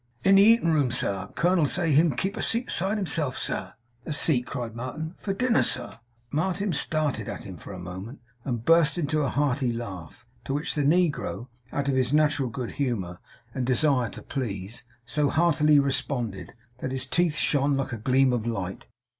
'In a eatin room, sa. Kernell, sa, him kep a seat 'side himself, sa.' 'A seat!' cried Martin. 'For a dinnar, sa.' Martin started at him for a moment, and burst into a hearty laugh; to which the negro, out of his natural good humour and desire to please, so heartily responded, that his teeth shone like a gleam of light.